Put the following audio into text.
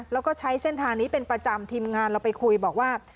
แล้วก็ใช้เส้นทางนี้เป็นประจำทีมงานเราไปคุยบอกว่า